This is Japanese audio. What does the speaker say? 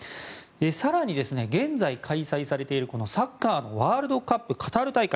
更に、現在開催されているサッカーのワールドカップカタール大会